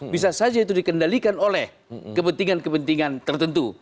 bisa saja itu dikendalikan oleh kepentingan kepentingan tertentu